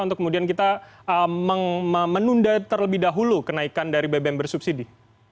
untuk kemudian kita menunda terlebih dahulu kenaikan dari bbm bersubsidi